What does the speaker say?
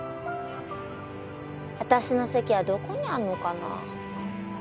私の席はどこにあんのかな？